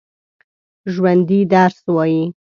ژوندي درس وايي